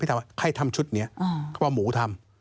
ถามว่าใครทำชุดนี้เขาว่าหมูทำ